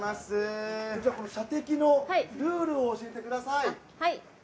射的のルールを教えてください。